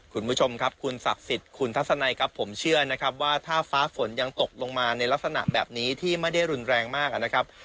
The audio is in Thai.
คุณผู้ชมครับคุณศักดิ์สิทธิ์คุณทัศนัยครับผมเชื่อนะครับว่าถ้าฟ้าฝนยังตกลงมาในลักษณะแบบนี้ที่ไม่ได้รุนแรงมากนะครับ